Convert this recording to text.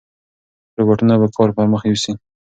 روباټونه به کار پرمخ یوسي.